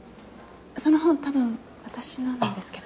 その本たぶん私のなんですけど。